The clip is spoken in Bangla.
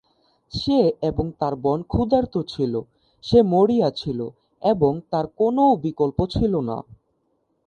সে এবং তার বোন ক্ষুধার্ত ছিল, সে মরিয়া ছিল, এবং তার কোনও বিকল্প ছিল না।